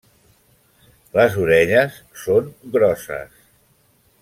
Les orelles són grosses.